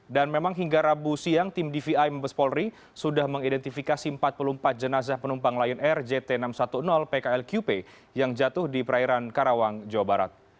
dan memang hingga rabu siang tim dvi mabes polri sudah mengidentifikasi empat puluh empat jenazah penumpang lion air jt enam ratus sepuluh pkl qp yang jatuh di perairan karawang jawa barat